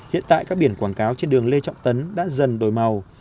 hiện tại các biển quảng cáo trên đường lê trọng tấn đã dần đổi màu